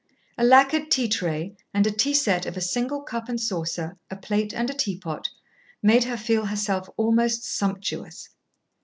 A lacquered tea tray and a tea set of a single cup and saucer, a plate and a teapot, made her feel herself almost sumptuous.